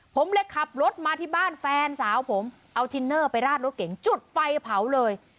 ผมเลยขับรถมาที่บ้านแฟนสาวผมเอาทินเนอร์ไปราดรถเก๋งจุดไฟเผาเลย